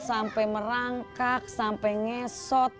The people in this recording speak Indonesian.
sampai merangkak sampai ngesot